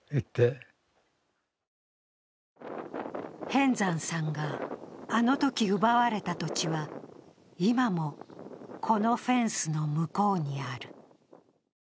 平安山さんがあのとき奪われた土地は今もこのフェンスの向こうにある。